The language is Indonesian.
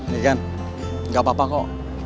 megan gak apa apa kok